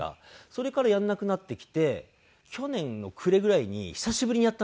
それからやらなくなってきて去年の暮れぐらいに久しぶりにやったんですよ。